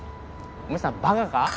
おめえさんバカか？